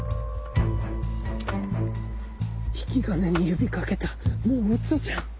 引き金に指掛けたもう撃つじゃん。